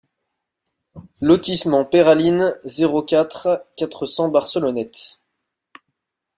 Lotissement Peyralines, zéro quatre, quatre cents Barcelonnette